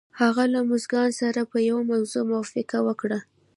هغه له مورګان سره په یوه موضوع موافقه وکړه